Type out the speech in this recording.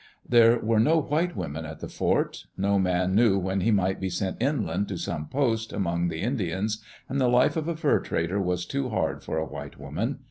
There were no white women at the fort. No man knew when he might be sent inland to some post, among the Indians, and the life of a fur trader was too hard for a white woman.